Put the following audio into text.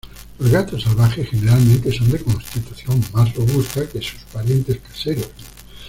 Los gatos salvajes generalmente son de constitución más robusta que sus parientes caseros.